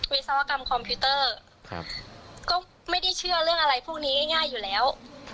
วิศวกรรมคอมพิวเตอร์ก็ไม่ได้เชื่อเรื่องอะไรพวกนี้ง่ายอยู่แล้ว